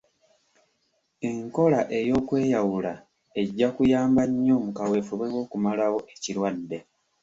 Enkola oy’okweyawula ejja kuyamba nnyo mu kaweefube w'okumalawo ekirwadde.